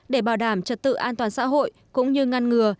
để bảo đảm trật tự an toàn xã hội cũng như ngăn ngừa